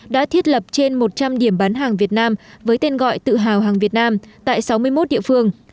đã thiết lập trên một trăm linh điểm bán hàng việt nam với tên gọi tự hào hàng việt nam tại sáu mươi một địa phương